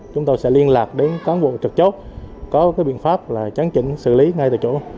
các cán bộ trực chốt có biện pháp chắn chỉnh xử lý ngay từ chỗ